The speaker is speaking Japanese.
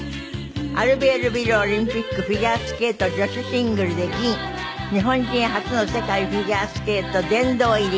アルベールビルオリンピックフィギュアスケート女子シングルで銀日本人初の世界フィギュアスケート殿堂入り。